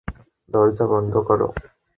দরজা বন্ধ করো।